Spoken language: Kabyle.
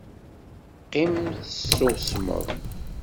Qqim tessusmeḍ!